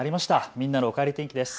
みんなのおかえり天気です。